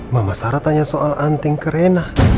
mama sarah tanya soal anting ke rena